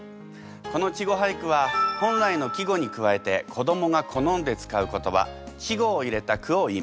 この稚語俳句は本来の季語に加えて子どもが好んで使う言葉稚語を入れた句をいいます。